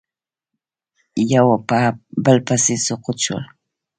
یو په بل پسې سقوط شول